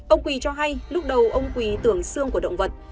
ông quỳ cho hay lúc đầu ông quỳ tưởng xương của động vật